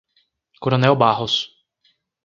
Coronel Barros